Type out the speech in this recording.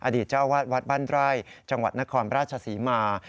เจ้าอาวาสวัดบ้านไร่จังหวัดนครราชศรีมา